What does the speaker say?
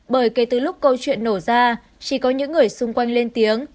bởi kể từ lúc câu chuyện nổ ra chỉ có những người xung quanh lên tiếng